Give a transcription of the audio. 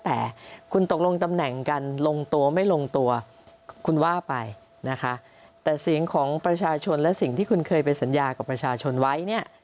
แต่คุณตกลงตำแหน่งกันลงตัวไม่ลงตัวคุณว่าไปนะคะแต่เสียงของประชาชนและสิ่งที่คุณเคยไปสัญญากับประชาชนไว้เนี่ย